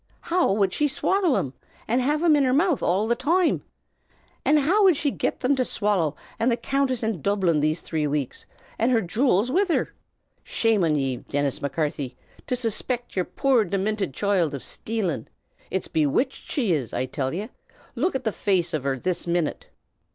"How wud she shwally 'em, an' have 'em in her mouth all the toime? An' how wud she get thim to shwally, an' the Countess in Dublin these three weeks, an' her jew'ls wid her? Shame an ye, Dinnis Macarthy! to suspict yer poor, diminted choild of shtalin'! It's bewitched she is, I till ye! Look at the face av her this minute!"